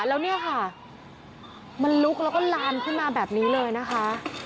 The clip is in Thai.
แล้วเนี่ยค่ะมันลุกแล้วก็ลามขึ้นมาแบบนี้เลยนะคะ